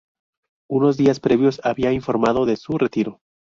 Unos días previos había informado de su retiro.